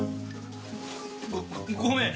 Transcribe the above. ごごめん！